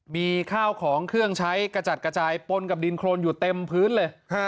มีข้าวของเครื่องใช้กระจัดกระจายปนกับดินโครนอยู่เต็มพื้นเลย